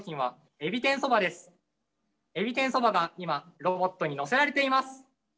えび天そばが今ロボットに載せられています。